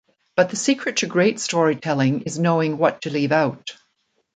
But the secret to great storytelling is knowing what to leave out.